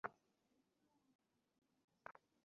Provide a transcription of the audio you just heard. সে বলল, তোমরা তো এক মূর্খ সম্প্রদায়।